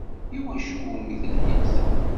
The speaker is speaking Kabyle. I wacu iwumi telhimt?